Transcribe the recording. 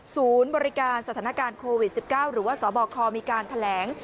ศูนย์บริการสถานการณ์โควิด๑๙หรือว่าสบคมีการแถลง